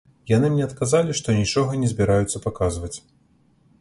Яны мне адказалі, што нічога не збіраюцца паказваць.